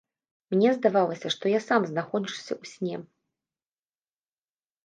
Мне здавалася, што я сам знаходжуся ў сне.